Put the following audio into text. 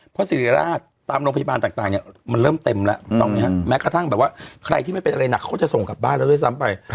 เพราะศิริราชตามโรงพยาบาลต่างมันเริ่มเต็มแล้วแม้กระทั่งใครที่ไม่เป็นอะไรหนักเขาจะส่งกลับบ้านเราด้วยซ้ำไป